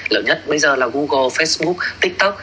lớn nhất bây giờ là google facebook tiktok